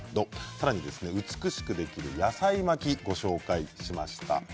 さらに美しくできる野菜巻きをご紹介しました。